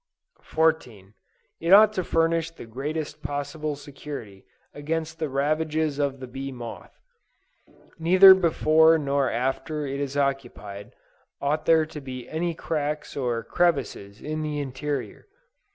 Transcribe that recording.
14. It ought to furnish the greatest possible security against the ravages of the Bee Moth. Neither before nor after it is occupied, ought there to be any cracks or crevices in the interior.